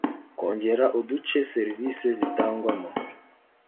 kongera uduce serivisi zitangwamo